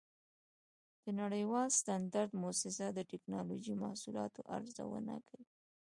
د نړیوال سټنډرډ مؤسسه د ټېکنالوجۍ محصولاتو ارزونه کوي.